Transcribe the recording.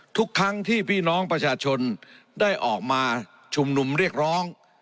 ทุกครั้งที่พี่น้องประชาชนได้ออกมาชุมนุมเรียกร้อง